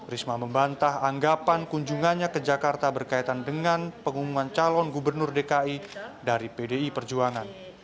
risma membantah anggapan kunjungannya ke jakarta berkaitan dengan pengumuman calon gubernur dki dari pdi perjuangan